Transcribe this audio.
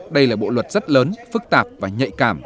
đây là bộ luật rất lớn phức tạp và nhạy cảm